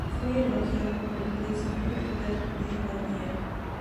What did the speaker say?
Fue elogiado por el Príncipe Ruperto de Baviera.